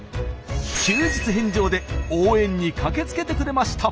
休日返上で応援に駆けつけてくれました。